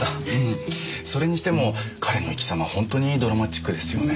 それにしても彼の生きざまは本当にドラマチックですよね。